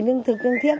nước thực ương thiết